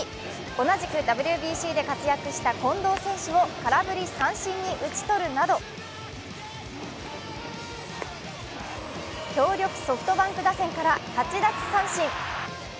同じくＷＢＣで活躍した近藤選手を空振り三振に打ち取るなど強力ソフトバンク打線から８奪三振。